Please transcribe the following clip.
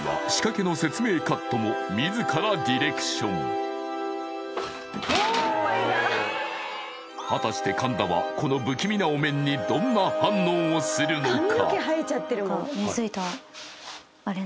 今回は仕掛けの果たして神田はこの不気味なお面にどんな反応をするのか？